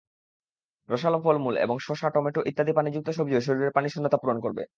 রসাল ফলমূল এবং শসা, টমেটো ইত্যাদি পানিযুক্ত সবজিও শরীরের পানিশূন্যতা পূরণ করবে।